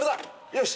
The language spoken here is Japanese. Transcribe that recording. よし。